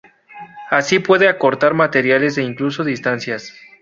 Así puede acortar materiales e incluso distancias.